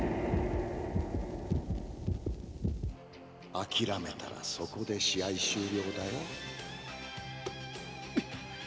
諦めたら、そこで試合終了だよ。